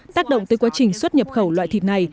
tác động tới quá trình xuất nhập khẩu loại thịt này